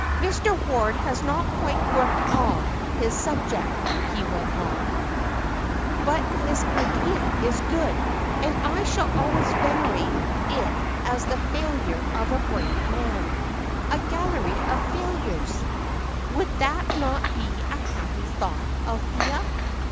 "Mr. Ward has not quite worked out his subject," he went on; "but his idea is good, and I shall always venerate it as the failure of a brave man. 'A gallery of failures.' Would that not be a happy thought, Althea?